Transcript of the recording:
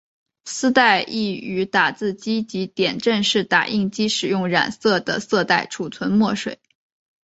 丝带亦于打字机及点阵式打印机使用染色的色带储存墨水。